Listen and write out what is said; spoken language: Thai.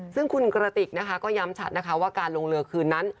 ซึ่งคุณกระติกนะคะก็ย้ำชัดนะคะว่าการลงเรือคืนนั้น